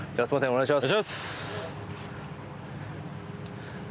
お願いします。